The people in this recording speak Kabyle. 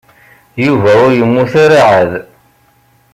Yuba ur yemmut ara ɛad.